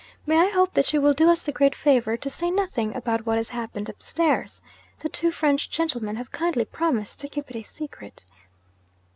May I hope that you will do us the great favour to say nothing about what has happened upstairs? The two French gentlemen have kindly promised to keep it a secret.'